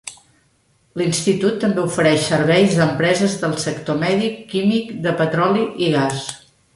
L"institut també ofereix serveis a empreses del sector mèdic, químic, de petroli i gas.